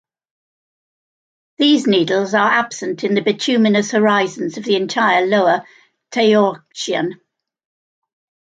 These needles are absent in the bituminous horizons of the entire Lower Toarcian.